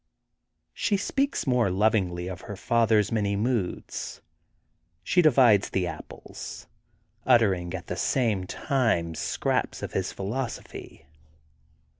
She speaks more lovingly of her father *s many moods. She divides the apples, uttering at the same time scraps of his philosophy.